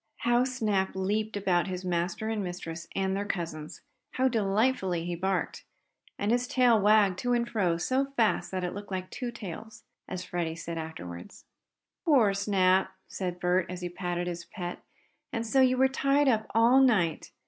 How Snap leaped about his master and mistress and their cousins! How delightedly he barked! And his tail wagged to and fro so fast that it looked like two tails, as Freddie said afterward. "Poor Snap!" said Bert, as he patted his pet "And so you were tied up all night?